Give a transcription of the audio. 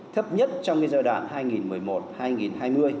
thấp nhất trong giai đoạn hai nghìn một mươi một hai nghìn hai mươi